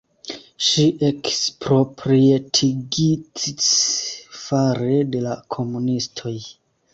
Ŝi eksproprietigits fare de la komunistoj.